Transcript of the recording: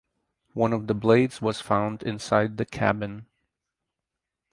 One of the blades was found inside the cabin.